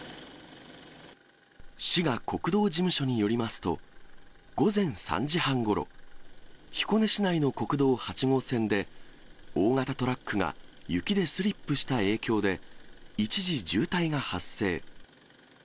滋賀国道事務所によりますと、午前３時半ごろ、彦根市内の国道８号線で、大型トラックが雪でスリップした影響で、一時渋滞が発生。